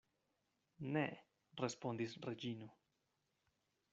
Ne, respondis Reĝino.